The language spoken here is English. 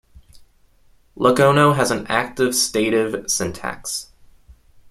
Lokono has an active-stative syntax.